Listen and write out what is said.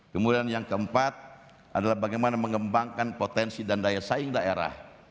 kemudian yang keempat adalah bagaimana mengembangkan potensi dan daya saing daerah